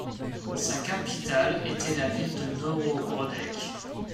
Sa capitale était la ville de Nowogródek.